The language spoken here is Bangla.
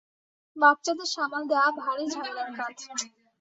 বাচ্চাদের সামাল দেয়া ভারি ঝামেলার কাজ।